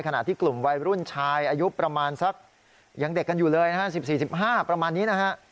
ขณะที่กลุ่มวัยรุ่นชายอายุประมาณสักยังเด็กกันอยู่เลยนะฮะ๑๔๑๕ประมาณนี้นะฮะ